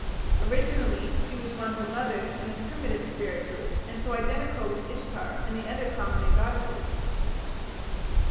Originally she was one of the mothers in the primitive spirit group, and so identical with Ishtar and the other prominent goddesses.